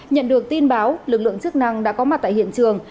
nhận được tin báo lực lượng chức năng đã có mặt tại hiện trường